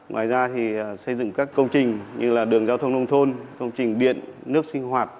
ngoài ra thì xây dựng các công trình như là đường giao thông nông thôn công trình điện nước sinh hoạt